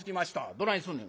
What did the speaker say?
「どないすんねん？」。